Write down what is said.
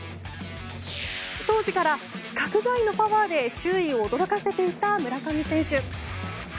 当時から規格外のパワーで周囲を驚かせていた村上選手。